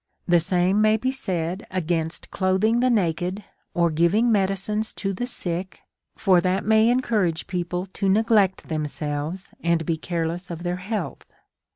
The same may he said against clothing the naked, or giving me dicines to the sick, for they may encourage people to* neglect themselves, and be careless of their health.